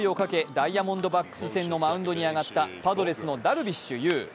ダイヤモンドバックス戦のマウンドに上がったパドレスのダルビッシュ有。